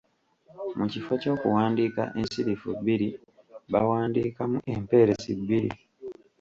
Mu kifo ky’okuwandiika ensirifu bbiri baawandiikamu empeerezi bbiri.